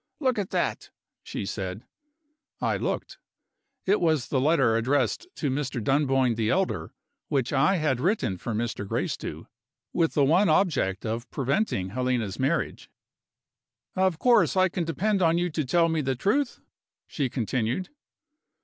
"Look at that," she said. I looked. It was the letter addressed to Mr. Dunboyne the elder, which I had written for Mr. Gracedieu with the one object of preventing Helena's marriage. "Of course, I can depend on you to tell me the truth?" she continued.